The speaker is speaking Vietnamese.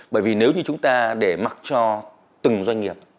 bởi vì nếu như chúng ta để mặc cho từng doanh nghiệp